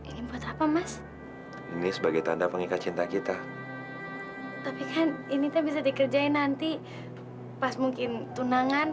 sampai jumpa di video selanjutnya